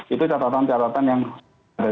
itu catatan catatan yang ada